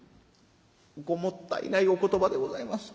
「ごもったいないお言葉でございます。